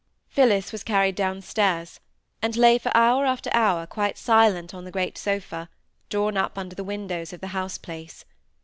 Phillis was carried down stairs, and lay for hour after hour quite silent on the great sofa, drawn up under the windows of the house place.